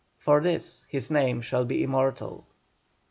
For this his name shall be immortal.